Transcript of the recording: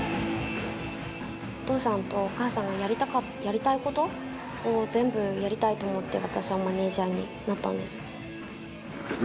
お父さんとお母さんがやりたいことを全部やりたいと思って私はマネージャーになったんです唯